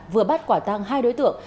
vừa bắt quả tăng hai đối tượng